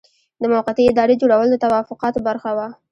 د موقتې ادارې جوړول د توافقاتو برخه وه.